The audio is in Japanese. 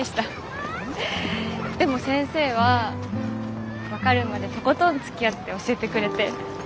でも先生は分かるまでとことんつきあって教えてくれて。